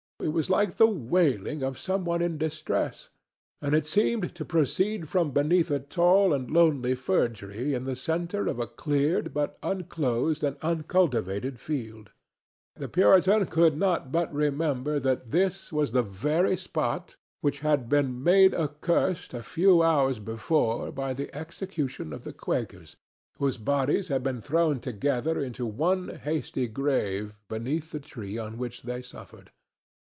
It was like the wailing of some one in distress, and it seemed to proceed from beneath a tall and lonely fir tree in the centre of a cleared but unenclosed and uncultivated field. The Puritan could not but remember that this was the very spot which had been made accursed a few hours before by the execution of the Quakers, whose bodies had been thrown together into one hasty grave beneath the tree on which they suffered.